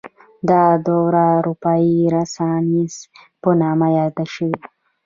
دا دوره د اروپايي رنسانس په نامه یاده شوې.